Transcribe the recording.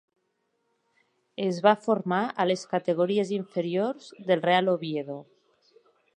Es va formar a les categories inferiors del Real Oviedo.